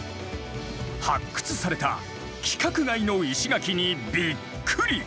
発掘された規格外の石垣にびっくり！